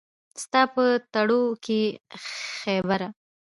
ستا په تړو کښې خېبره